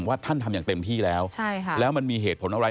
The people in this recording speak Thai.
ว่าท่านทำอย่างเต็มที่แล้วแล้วมันมีเหตุผลอะไร